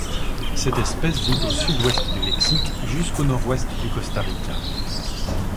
Cette espèce vit du Sud-Ouest du Mexique jusqu'au Nord-Ouest du Costa Rica.